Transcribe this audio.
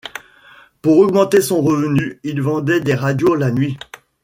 Pour augmenter son revenu, il vendait des radios la nuit.